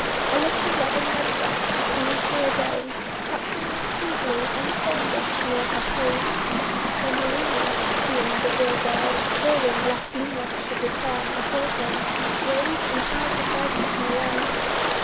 A little Robin Redbreast, in the clear day, sat singing sweetly on a thorn bush near her cave. Then Marina, pitying the dear bird, fearing lest Limos should return and kill him, rose and tried to frighten him away.